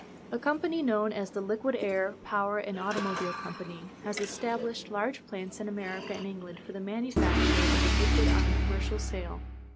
A company, known as the Liquid Air, Power and Automobile Company, has established large plants in America and England for the manufacture of the liquid on a commercial scale.